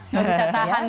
tidak bisa tahan